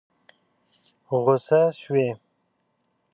غوسه شوې؟